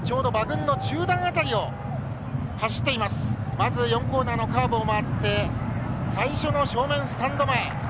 まず４コーナーのカーブを曲がって最初の正面スタンド前。